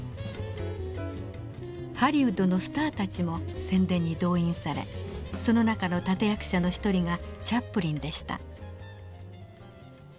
ハリウッドのスターたちも宣伝に動員されその中の立て役者の一人がチャップリンでした。